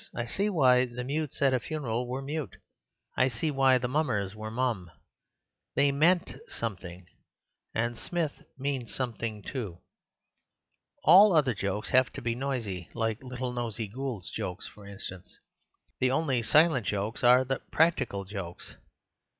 I see why the mutes at a funeral were mute. I see why the mummers were mum. They MEANT something; and Smith means something too. All other jokes have to be noisy—like little Nosey Gould's jokes, for instance. The only silent jokes are the practical jokes.